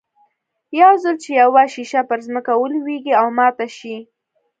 يو ځل چې يوه ښيښه پر ځمکه ولوېږي او ماته شي.